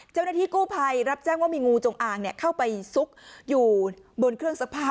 เจ้าหน้าที่กู้ภัยรับแจ้งว่ามีงูจงอางเข้าไปซุกอยู่บนเครื่องซักผ้า